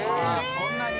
そんなに。